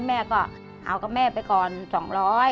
แม่ก็เอากับแม่ไปก่อน๒๐๐บาท